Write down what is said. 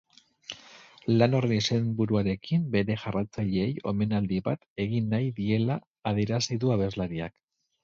Lan horren izenburuarekin bere jarraitzaileei omenaldi bat egin nahi diela adierazi du abeslariak.